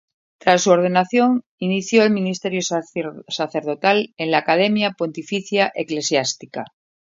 Tras su ordenación, inició su ministerio sacerdotal en la Academia Pontificia Eclesiástica.